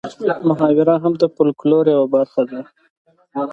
محاوره هم د فولکلور یوه برخه ده